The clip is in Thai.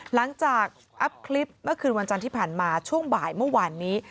อัพคลิปเมื่อคืนวันจันทร์ที่ผ่านมาช่วงบ่ายเมื่อวานนี้